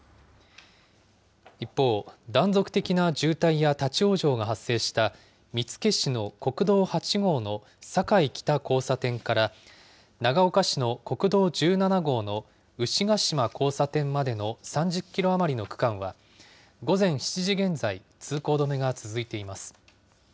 一方、断続的な渋滞や立往生が発生した、見附市の国道８号の坂井北交差点から、長岡市の国道１７号の牛ケ島交差点までの３０キロ余りの区間は、午前７時現在、通行止めが続いています。